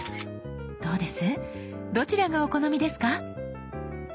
どうですどちらがお好みですか？